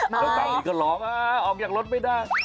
แล้วตอนนี้ก็หลอกออกอย่างรถไม่ได้